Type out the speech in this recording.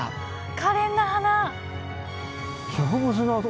かれんな花。